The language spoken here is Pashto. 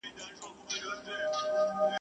ته به مي لوټه د صحرا بولې ..